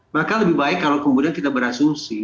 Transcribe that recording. maka lebih baik kalau kemudian kita berasumsi